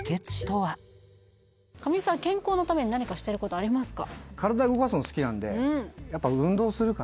健康のために何かしてることありますか？